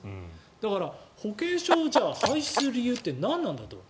だから、保険証をじゃあ廃止する理由って何なんだと。